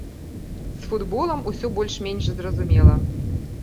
З футболам усё больш-менш зразумела.